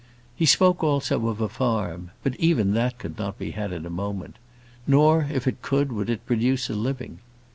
He spoke also of a farm, but even that could not be had in a moment; nor, if it could, would it produce a living.